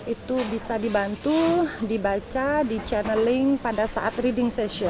itu bisa dibantu dibaca di channeling pada saat reading session